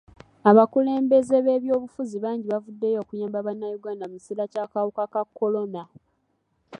Abakulembeze b'ebyobufuzi bangi bavuddeyo okuyamba bannayuganda mu kiseera ky'akawuka ka kolona.